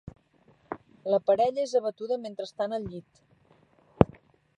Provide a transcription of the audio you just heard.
La parella és abatuda mentre estan al llit.